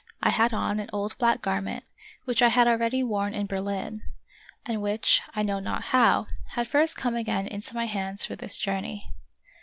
I had on an old black garment, which I had already worn in Berlin, and which, I know not how, had first come again into my hands for this journey.